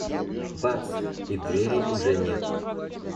Бац! И двери уже нет.